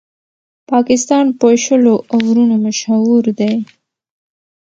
پاکستان په شلو اورونو مشهور دئ.